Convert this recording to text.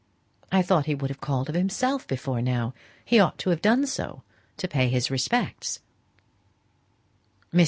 I thought he would have called of himself before now. He ought to have done so, to pay his respects." Mr.